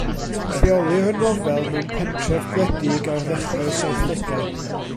Lleolir y nofel mewn pentref gwledig ar ddechrau'r saithdegau.